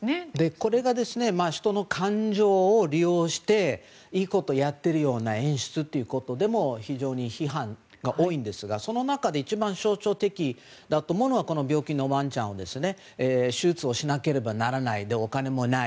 これが人の感情を利用していいことをやっているような演出ということでも非常に批判が多いんですがその中で一番象徴的だと思うのは病気のワンちゃん手術をしなければならないお金もない。